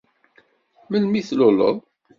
Melmi tluleḍ?